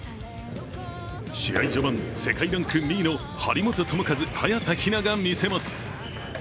試合序盤、世界ランク２位の張本智和・早田ひなが見せます。